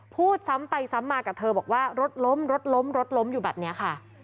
พูดซ้ำไปซ้ำมากับเธอบอกว่ารถล้มรถล้มรถล้มอยู่แบบนี้ค่ะ